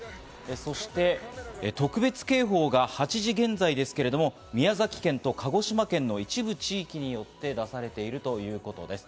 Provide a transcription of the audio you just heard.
そして特別警報が８時現在ですけど、宮崎県と鹿児島県の一部地域に出されているということです。